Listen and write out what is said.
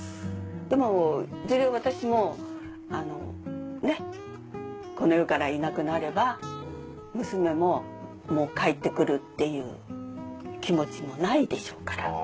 でもいずれ私もあのねっこの世からいなくなれば娘ももう帰ってくるっていう気持ちもないでしょうから。